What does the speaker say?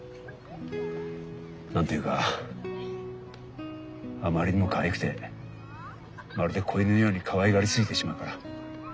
何て言うかあまりにもかわいくてまるで子犬のようにかわいがりすぎてしまうから。